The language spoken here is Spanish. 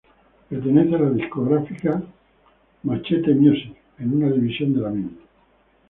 Pertenece a la discográfica Machete Music, en una división de la misma.